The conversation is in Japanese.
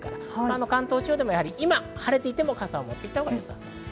関東地方でも今晴れていても傘を持っていったほうがよさそうです。